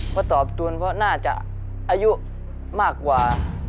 พอตอบตูนว่าน่าจะอายุมากกว่า